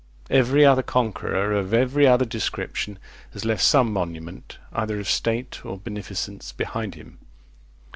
Every other conqueror of every other description has left some monument, either of state or beneficence, behind him.